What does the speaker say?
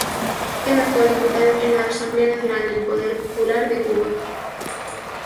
Es actual diputado en la Asamblea Nacional del Poder Popular de Cuba.